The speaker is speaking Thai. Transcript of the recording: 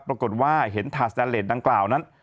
ปรากฏว่าเห็นถาดสแตนเลสดังกล่าวนั้น